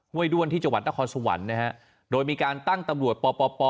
้วด้วนที่จังหวัดนครสวรรค์นะฮะโดยมีการตั้งตำรวจปป